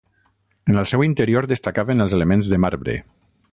En el seu interior destacaven els elements de marbre.